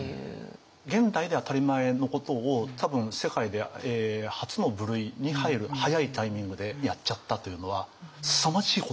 現代で当たり前のことを多分世界で初の部類に入る早いタイミングでやっちゃったというのはすさまじいことです。